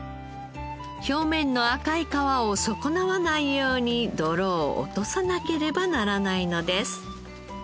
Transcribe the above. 表面の赤い皮を損なわないように泥を落とさなければならないのです。